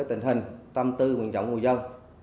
tình hình tâm tư nguyện trọng của dân